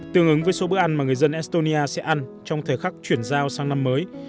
tương ứng với số bữa ăn mà người dân estonia sẽ ăn trong thời khắc chuyển giao sang năm mới